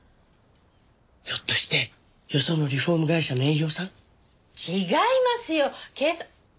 ひょっとしてよそのリフォーム会社の営業さん？違いますよ！